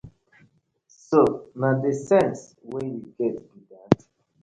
So na dey sence wey yu get bi dat.